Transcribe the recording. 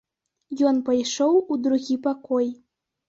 Ён пайшоў у другі пакой.